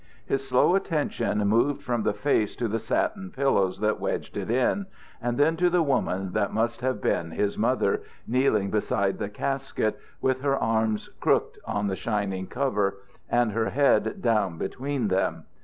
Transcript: His slow attention moved from the face to the satin pillows that wedged it in, and then to the woman that must have been his mother, kneeling beside the casket with her arms crooked on the shining cover and her head down between them.